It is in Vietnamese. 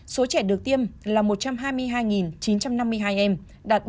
số trẻ được tiêm là một trăm hai mươi hai chín trăm năm mươi hai em đạt ba mươi